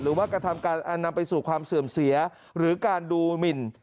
หรือว่ากระทำการนำไปสู่ความเสื่อมเสียหรือการดูหมิ่น